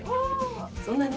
そんなに？